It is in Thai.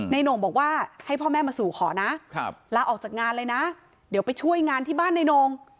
โหน่งบอกว่าให้พ่อแม่มาสู่ขอนะลาออกจากงานเลยนะเดี๋ยวไปช่วยงานที่บ้านในโน่ง